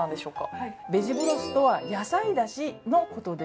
はいベジブロスとは野菜だしのことです。